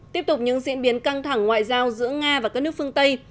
tiếp tục những diễn biến căng thẳng ngoại giao giữa nga và các nước phương tây